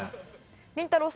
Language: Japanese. りんたろー。